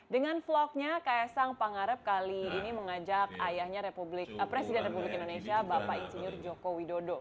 dengan vlognya ks sang pangarep kali ini mengajak ayahnya presiden republik indonesia bapak insinyur joko widodo